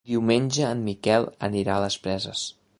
Diumenge en Miquel anirà a les Preses.